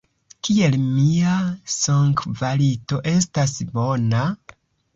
Kiel mia sonkvalito estas bona?